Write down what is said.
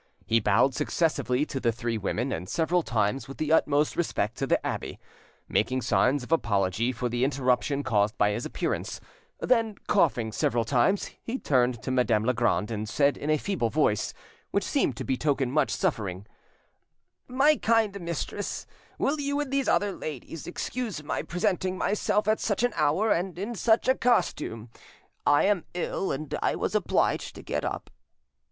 He bowed successively to the three women, and several times with the utmost respect to the abbe, making signs of apology for the interruption caused by his appearance; then, coughing several times, he turned to Madame Legrand, and said in a feeble voice, which seemed to betoken much suffering— "My kind mistress, will you and these other ladies excuse my presenting myself at such an hour and in such a costume? I am ill, and I was obliged to get up."